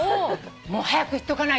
もう早く行っとかないと。